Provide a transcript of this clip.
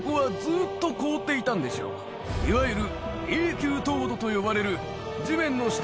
いわゆる。